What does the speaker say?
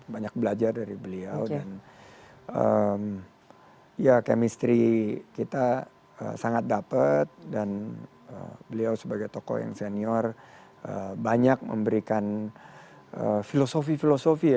banyak belajar dari beliau dan ya chemistry kita sangat dapat dan beliau sebagai tokoh yang senior banyak memberikan filosofi filosofi ya